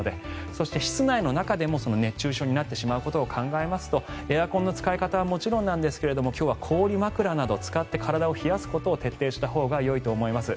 そして室内でも熱中症になってしまうことを考えますとエアコンの使い方はもちろんなんですが今日は氷枕などを使って体を冷やすことを徹底したほうがよいと思います。